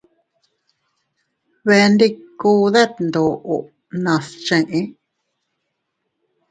Beendikuu ddeetdoo nas chee.